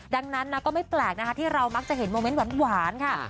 ดังนั้นนะก็ไม่แปลกนะคะที่เรามักจะเห็นโมเมนต์หวานค่ะ